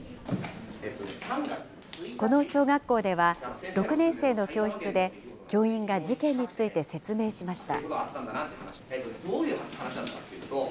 この小学校では、６年生の教室で、教員が事件について説明しました。